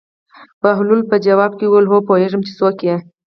بهلول په ځواب کې وویل: هو پوهېږم چې څوک یې.